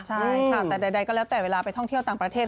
ใช่ค่ะแต่ใดก็แล้วแต่เวลาไปท่องเที่ยวต่างประเทศ